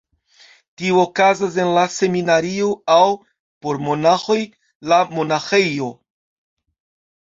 Tio okazas en la seminario aŭ (por monaĥoj) la monaĥejo.